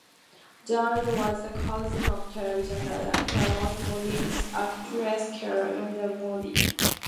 Jardine was the cousin of television director Laurence Moody and actress Clare Lawrence Moody.